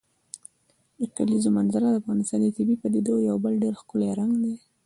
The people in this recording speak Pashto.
د کلیزو منظره د افغانستان د طبیعي پدیدو یو بل ډېر ښکلی رنګ دی.